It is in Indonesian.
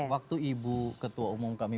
waktu ibu ketua umum kami